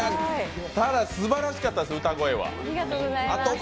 ただ、すばらしかったです歌声は。